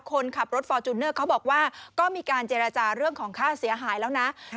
คนขับรถฟอร์จูเนอร์เขาบอกว่าก็มีการเจรจาเรื่องของค่าเสียหายแล้วนะ